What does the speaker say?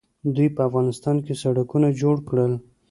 دوی په افغانستان کې سړکونه جوړ کړل.